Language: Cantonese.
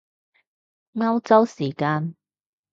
歐洲時間？